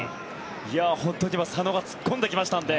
本当に佐野が今、突っ込んできましたので。